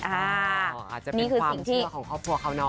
อาจจะเป็นความกลัวของครอบครัวเขานอ